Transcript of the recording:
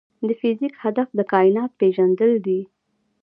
د فزیک هدف د کائنات پېژندل دي.